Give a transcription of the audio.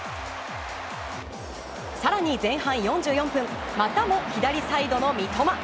更に前半４４分またも左サイドの三笘。